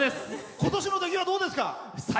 ことしの出来はどうですか？